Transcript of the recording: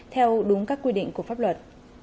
theo đúng các quy định của pháp luật